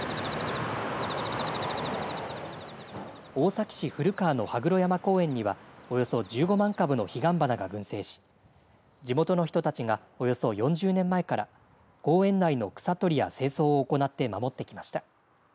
大崎市古川の羽黒山公園にはおよそ１５万株の彼岸花が群生し地元の人たちがおよそ４０年前から公園内の草取りや清掃を行って守ってきました。